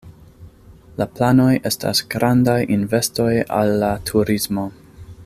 La planoj estas grandaj investoj al la turismo.